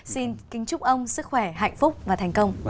xin kính chúc ông sức khỏe hạnh phúc và thành công